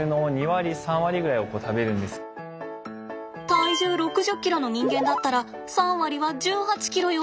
体重６０ｋｇの人間だったら３割は１８ｋｇよ。